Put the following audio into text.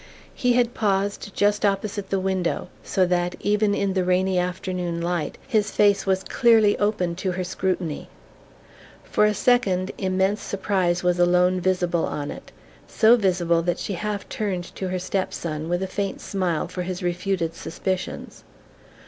He had paused just opposite the window, so that, even in the rainy afternoon light, his face was clearly open to her scrutiny. For a second, immense surprise was alone visible on it: so visible that she half turned to her step son, with a faint smile for his refuted suspicions.